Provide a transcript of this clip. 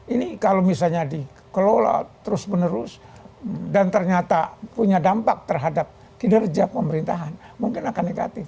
ini kalau misalnya dikelola terus menerus dan ternyata punya dampak terhadap kinerja pemerintahan mungkin akan negatif